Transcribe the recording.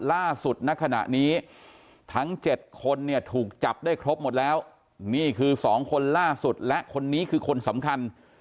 ณขณะนี้ทั้ง๗คนเนี่ยถูกจับได้ครบหมดแล้วนี่คือ๒คนล่าสุดและคนนี้คือคนสำคัญ